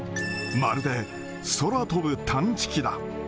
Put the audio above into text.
まるで空飛ぶ探知機だ。